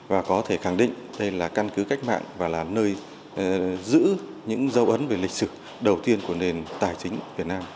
và có thể khẳng định đây là căn cứ cách mạng và là nơi giữ những dấu ấn về lịch sử đầu tiên của nền tài chính việt nam